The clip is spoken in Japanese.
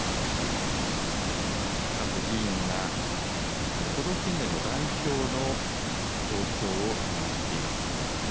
各議員が、都道府県連の代表の投票を見守っています。